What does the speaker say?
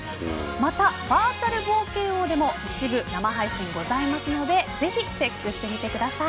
また、バーチャル冒険王でも一部生配信がございますのでぜひチェックしてみてください。